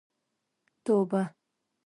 توبه.